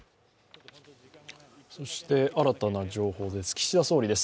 そして新たな情報です。